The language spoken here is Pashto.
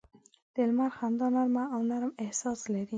د لمر خندا نرمه او نرم احساس لري